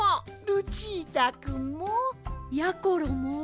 ルチータくんも！やころも